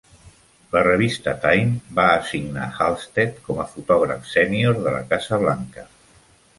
La revista "Time" va assignar Halstead com a fotògraf sènior de la Casa Blanca.